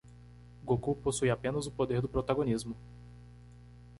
Goku possui apenas o poder do protagonismo.